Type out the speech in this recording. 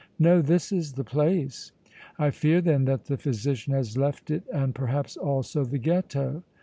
"No. This is the place." "I fear then that the physician has left it and perhaps also the Ghetto."